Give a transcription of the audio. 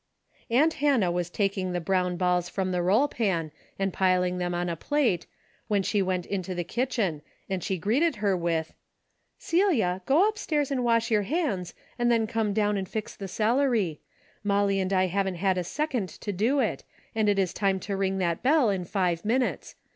Aunt Hannah was taking the brown balls from the roll pan and piling them on a plate, when she went into the kitchen, and she greeted her with : "Celia, go upstairs and wash your hands 143 A DAILY RATE. and then come down and fix the celery. Molly and I haven't a second to do it, and it is time to ring that bell in five minutes.